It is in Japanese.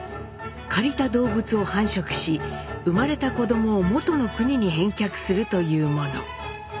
借りた動物を繁殖し生まれた子どもを元の国に返却するというもの。